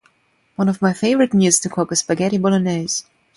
One of my favorite meals to cook is spaghetti bolognese.